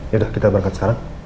yaudah kita berangkat sekarang